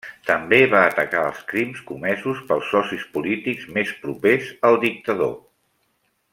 També va atacar als crims comesos pels socis polítics més propers al dictador.